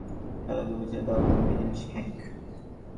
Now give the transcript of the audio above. শালাকে বুঝিয়ে দাও তুমি কি জিনিস, হ্যাংক।